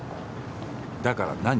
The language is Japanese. だから何？